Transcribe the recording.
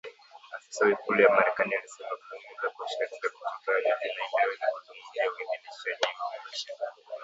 Afisa wa Ikulu ya Marekani alisema akizungumza kwa sharti la kutotajwa jina ili aweze kuzungumzia uidhinishaji huo mpya.